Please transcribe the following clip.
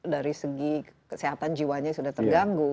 dari segi kesehatan jiwanya sudah terganggu